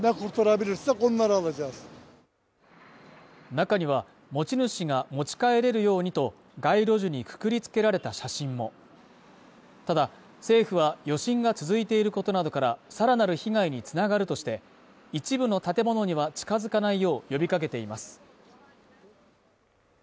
中には持ち主が持ち帰れるようにと、街路樹にくくりつけられた写真もただ、政府は余震が続いていることなどから、さらなる被害に繋がるとして、一部の建物には近づかないよう呼びかけています。